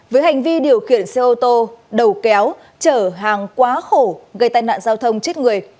với hành vi điều khiển xe ô tô đầu kéo chở hàng quá khổ gây tai nạn giao thông chết người